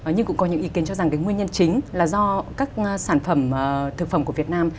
nhưng cũng có những ý kiến cho rằng cái nguyên nhân chính là do các sản phẩm thực phẩm của việt nam